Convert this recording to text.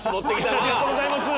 ありがとうございます。